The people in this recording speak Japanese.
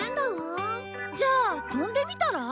じゃあ跳んでみたら？